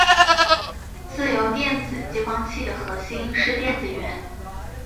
自由电子激光器的核心是电子源。